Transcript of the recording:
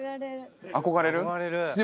憧れる？